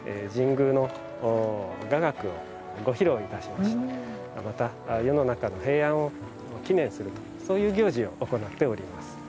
神宮の雅楽をご披露いたしましてまた世の中の平安を祈念するとそういう行事を行っております。